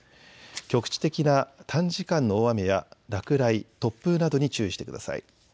局地的な短時間の大雨や落雷、突風などに注意してください。